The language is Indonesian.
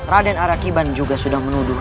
raden arakiban juga sudah menuduh